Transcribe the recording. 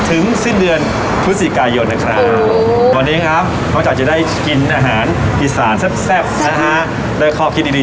ถึงสิ้นเดือนพฤศกายนต์นะคะโหวันนี้นะครับพ้องจากจะได้กินอาหารกิจสารแซ่บนะคะได้ความคิดดี